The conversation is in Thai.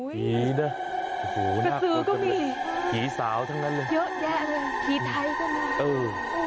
ผีด่ะผู้หนักก็มีผีสาวทั้งนั้นเลยเยอะแยะเลยผีไทยก็มีอื้อ